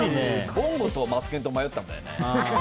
ボンゴとマツケンと迷ったんだよね。